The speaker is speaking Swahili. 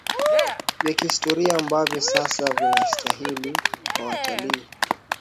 vya kihistoria ambavyo sasa vinastahili kwa watalii